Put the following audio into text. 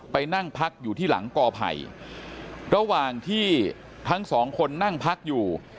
ไปนั่งพักอยู่ที่หลังกอไผ่ระหว่างที่ทั้งสองคนนั่งพักอยู่